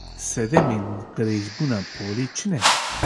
Sedemên qirêjbûna polê çi ne?